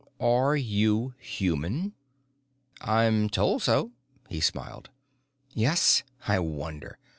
Are you human?" "I'm told so." He smiled. "Yes? I wonder!